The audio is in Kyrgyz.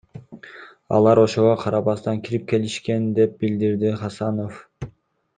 Алар ошого карабастан кирип келишкен, — деп билдирди Хасанов.